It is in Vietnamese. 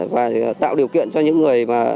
và tạo điều kiện cho những người